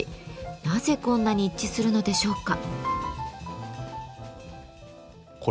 なぜこんなに一致するのでしょうか。